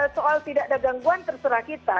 soal tidak ada gangguan terserah kita